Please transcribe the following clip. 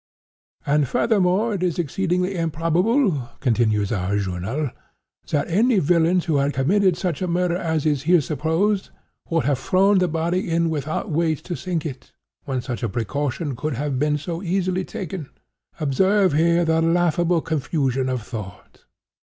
"'And furthermore it is exceedingly improbable,' continues our journal, 'that any villains who had committed such a murder as is here supposed, would have thrown the body in without weight to sink it, when such a precaution could have so easily been taken.' Observe, here, the laughable confusion of thought!